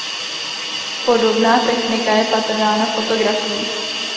Podobná technika je patrná na fotografiích.